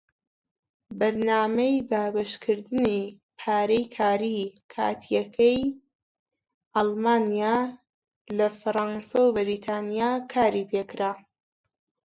بەرنامەی دابەشکردنی پارەی کاری کاتیەکەی ئەڵمانیا لە فەڕەنسا و بەریتانیا کاری پێکرا.